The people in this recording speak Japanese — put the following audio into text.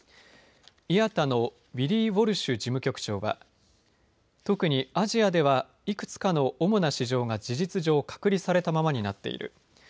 ＩＡＴＡのウィリー・ウォルシュ事務局長は特にアジアではいくつかの主な市場が事実上隔離されたままになっている。